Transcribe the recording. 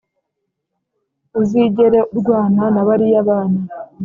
uzigere urwana na bariya bana